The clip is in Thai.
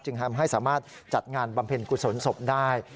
จึงแทบให้สามารถจัดงานบำพิณฑ์กุศลศพได้